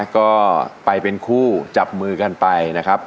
ก็ไปเป็นคู่จับมือกันไปนะครับ